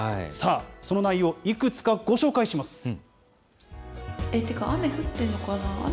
さあ、その内容をいくつかご紹介します。